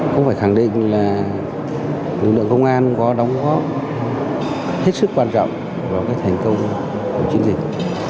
cũng phải khẳng định là lực lượng công an có đóng góp hết sức quan trọng vào cái thành công của chiến dịch